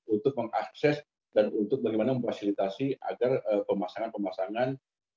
untuk mengakses dan untuk bagaimana memfasilitasi agar pemasangan pemasangan